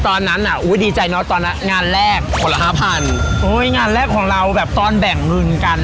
ตอนนั้นอ่ะอุ้ยดีใจเนอะตอนนั้นงานแรกคนละห้าพันโอ้ยงานแรกของเราแบบตอนแบ่งเงินกัน